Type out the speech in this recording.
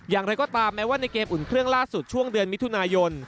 อย่างไรก็ตามแม้ว่าในเกมอุ่นเครื่องล่าสุดช่วงเดือนมิถุนายน